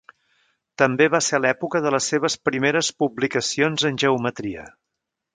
També va ser l'època de les seves primeres publicacions en geometria.